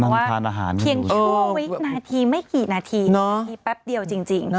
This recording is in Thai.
ว่าเพียงชั่ววินาทีไม่กี่นาทีแป๊บเดียวจริง